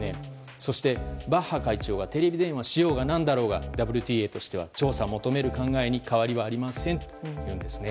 そして、バッハ会長がテレビ電話しようが何だろうがＷＴＡとしては調査を求める考えに変わりはありませんというんです。